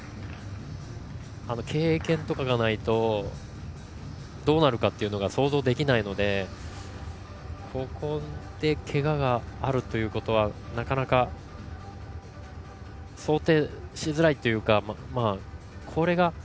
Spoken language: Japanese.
経験とかがないとどうなるかというのが想像できないのでここで、けががあるということはなかなか、想定しづらいというか。